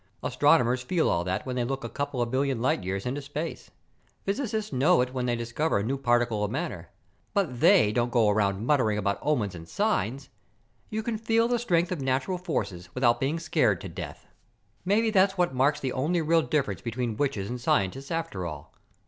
"Astronomers feel all that when they look a couple of billion light years into space. Physicists know it when they discover a new particle of matter. But they don't go around muttering about omens and signs. You can feel the strength of natural forces without being scared to death. "Maybe that's what marks the only real difference between witches and scientists, after all!